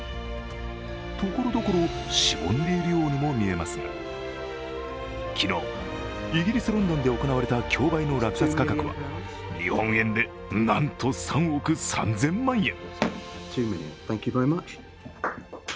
ところどころしぼんでいるようにも見えますが、昨日、イギリス・ロンドンで行われた競売の落札価格は日本円でなんと３億３０００万円。